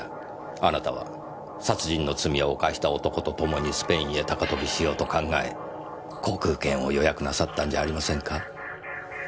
あなたは殺人の罪を犯した男とともにスペインへ高飛びしようと考え航空券を予約なさったんじゃありませんか？